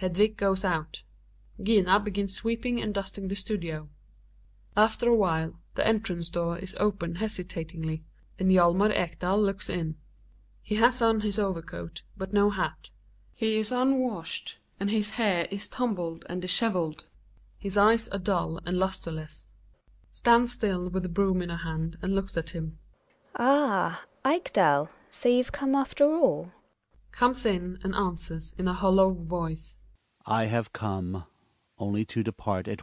Hedviq goes out ; Gina begins sweeping and dusting the studio. After a while the entrance door is open hesitat ingly, and Hjalmar Ekdal looks in. He has on his over coaty but no hat, he is unwashed, and his hair is tumbled and disheveled ; his eyes are dull and lustcrless. Gina (stands still with the broom in her hand and looks at him). Ah ! Ekdal, so you've come after all? Hjalmar (comes in and answers in a hollow voice).